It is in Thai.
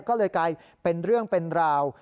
ก็เลยกลายเป็นเรื่องเป็นราว